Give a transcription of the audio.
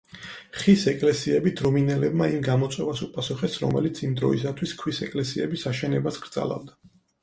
ხის ეკლესიებით რუმინელებმა იმ გამოწვევას უპასუხეს, რომელიც იმ დროისათვის ქვის ეკლესიების აშენებას კრძალავდა.